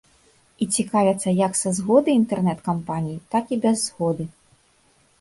І цікавяцца як са згодны інтэрнэт-кампаній, так і без згоды.